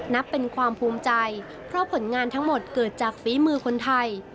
นับเป็นความภูมิใจเพราะผลงานทั้งหมดเกิดจากฝีมือคนไทย